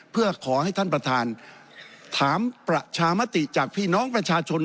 เพื่อขอให้ท่านประธานถามประชามติจากพี่น้องประชาชน